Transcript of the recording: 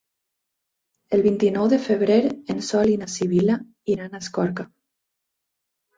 El vint-i-nou de febrer en Sol i na Sibil·la iran a Escorca.